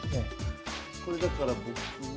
これだから僕は。